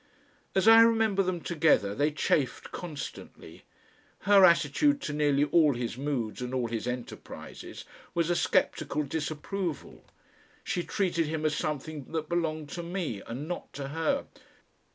As I remember them together they chafed constantly. Her attitude to nearly all his moods and all his enterprises was a sceptical disapproval. She treated him as something that belonged to me and not to her.